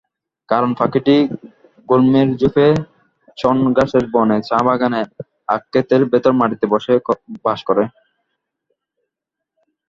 কারণ, পাখিটি গুল্মের ঝোপে, ছনঘাসের বনে, চা-বাগানে, আখখেতের ভেতর মাটিতে বাস করে।